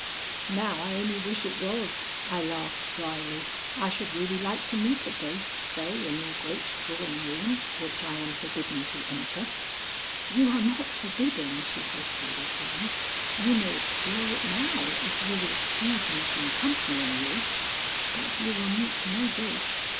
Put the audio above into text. "Now I only wish it was," I laughed dryly. "I should really like to meet a ghost, say, in your great drawing room, which I am forbidden to enter." "You are not forbidden," she hastily returned. "You may explore it now if you will excuse me from accompanying you; but you will meet no ghosts.